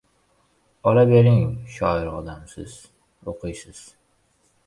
Ola bering, shoir odamsiz, o‘qiysiz.